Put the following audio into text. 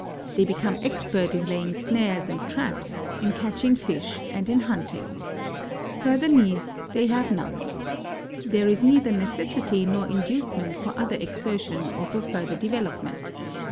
They become expert in laying snares and traps, in catching fish, and in hunting. Further needs they have none. There is neither necessity nor inducement for other exertion or for further development.